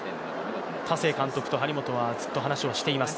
田勢監督と張本がずっと話をしています。